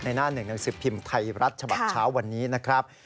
หน้าหนึ่งหนังสือพิมพ์ไทยรัฐฉบับเช้าวันนี้นะครับ